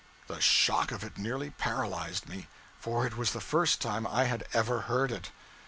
The shock of it nearly paralyzed me; for it was the first time I had ever heard it.